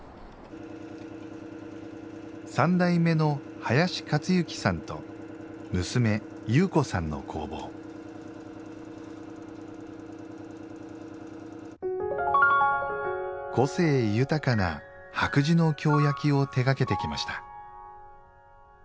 三代目の林克行さんと娘侑子さんの工房個性豊かな白磁の京焼を手がけてきました